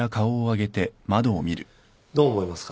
どう思いますか？